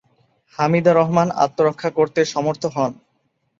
হামিদা রহমান আত্মরক্ষা করতে সমর্থ হন।